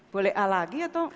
boleh a lagi atau